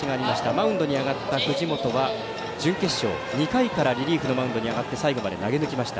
マウンドに上がった、藤本は準決勝、２回からリリーフのマウンドに上がって最後まで投げ抜きました。